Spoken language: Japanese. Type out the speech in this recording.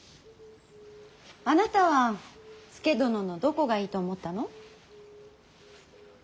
あなたは佐殿のどこがいいと思ったの。